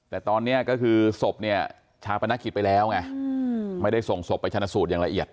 แต่ตอนนี้ก็คือศพเนี่ยชาปนกิจไปแล้วไงไม่ได้ส่งศพไปชนะสูตรอย่างละเอียด